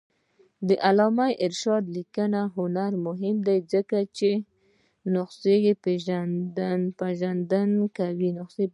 د علامه رشاد لیکنی هنر مهم دی ځکه چې نسخوپېژندنه کوي.